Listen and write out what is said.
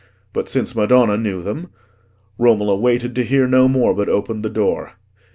But since madonna knew them— Romola waited to hear no more, but opened the door.